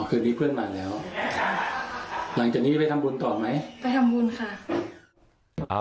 คืนนี้เพื่อนมาแล้วหลังจากนี้ไปทำบุญต่อไหมไปทำบุญค่ะ